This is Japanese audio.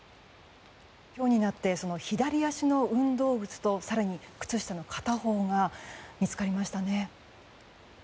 今日になって左足の運動靴と更に、靴下の片方が見つかりましたね。